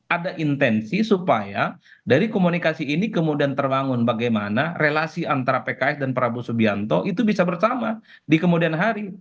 ada intensi supaya dari komunikasi ini kemudian terbangun bagaimana relasi antara pks dan prabowo subianto itu bisa bersama di kemudian hari